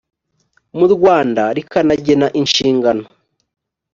mu rwanda rikanagena inshingano